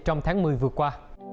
trong tháng một mươi vừa qua